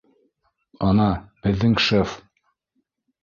Ана, беҙҙең шеф